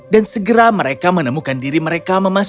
dan segera mereka menemukan diri mereka memandangnya